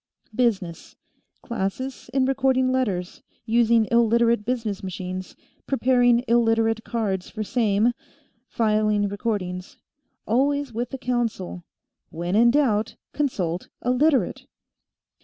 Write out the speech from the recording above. Business classes in recording letters, using Illiterate business machines, preparing Illiterate cards for same, filing recordings always with the counsel, "When in doubt, consult a Literate."